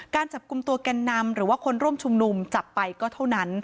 การจับกลุ่มตัวแก่นนำหรือว่าคนร่วมชุมนุมจับไปก็เท่านั้น